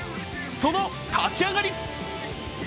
その立ち上がり。